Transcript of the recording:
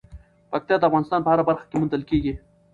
پکتیا د افغانستان په هره برخه کې موندل کېږي.